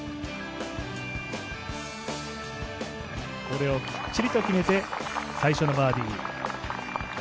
これをきっちりと決めて最初のバーディー。